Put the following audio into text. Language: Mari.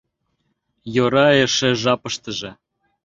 Йӧра эше жапыштыже.